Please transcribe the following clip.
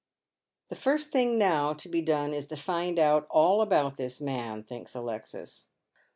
'' The first thing now to be done is to find out all about this man," thinks Alexia.